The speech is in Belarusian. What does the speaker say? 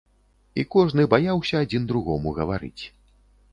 І кожны баяўся адзін другому гаварыць.